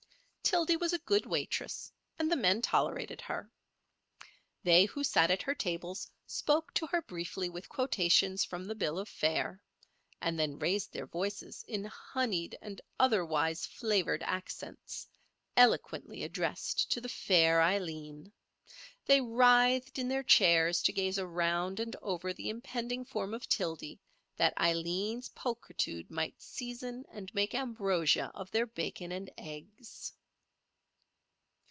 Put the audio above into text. Tildy was a good waitress, and the men tolerated her. They who sat at her tables spoke to her briefly with quotations from the bill of fare; and then raised their voices in honeyed and otherwise flavoured accents, eloquently addressed to the fair Aileen. They writhed in their chairs to gaze around and over the impending form of Tildy, that Aileen's pulchritude might season and make ambrosia of their bacon and eggs.